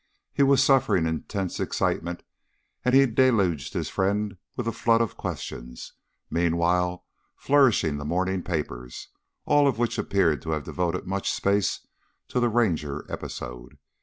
He was suffering intense excitement, and he deluged his friend with a flood of questions, meanwhile flourishing the morning papers, all of which appeared to have devoted much space to the Ranger episode.